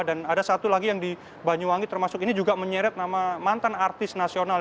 dan ada satu lagi yang di banyuwangi termasuk ini juga menyeret nama mantan artis nasional